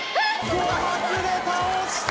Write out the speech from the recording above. ５発で倒した！